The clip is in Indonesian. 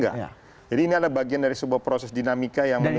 jadi ini ada bagian dari sebuah proses dinamika yang menurut saya